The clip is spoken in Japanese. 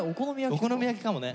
お好み焼きかもね。